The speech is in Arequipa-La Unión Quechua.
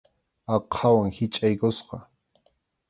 Aqhawan hichʼaykusqa.